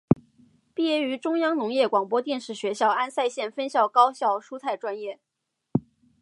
毕业于中央农业广播电视学校安塞县分校高效蔬菜专业。